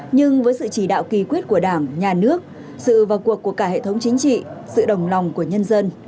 nhưng với sự chỉ đạo kỳ quyết của đảng nhà nước sự vào cuộc của cả hệ thống chính trị sự đồng lòng của nhân dân